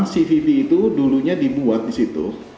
cvb itu dulunya dibuat di situ